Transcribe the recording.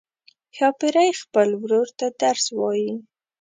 ښاپیرۍ خپل ورور ته درس وايي.